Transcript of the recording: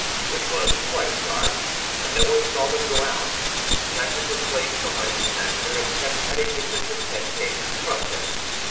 It was quite dark, and no one saw them go out. Planchet took place behind his master, and kept at a distance of ten paces from him.